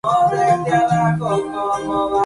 Su madre, Katherine Crawford, fue una actriz.